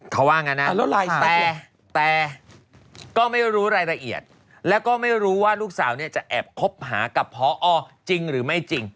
เขาว่างั้นนะแต่ก็ไม่รู้รายละเอียดแล้วก็ไม่รู้ว่าลูกสาวเนี่ยจะแอบคบหากับพอจริงหรือไม่จริง